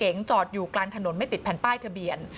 เมียรถเก๋งจอดอยู่กลางถนนไม่ติดแผ่นป้ายทะเบียน